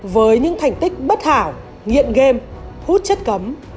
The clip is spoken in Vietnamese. với những thành tích bất hảo nghiện game hút chất cấm